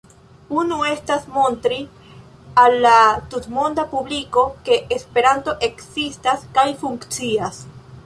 Unu estas montri al la tutmonda publiko, ke Esperanto ekzistas kaj funkcias.